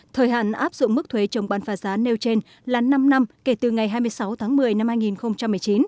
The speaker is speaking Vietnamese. thời hạn áp dụng mức thuế chống bán phá giá nêu trên là năm năm kể từ ngày hai mươi sáu tháng một mươi năm hai nghìn một mươi chín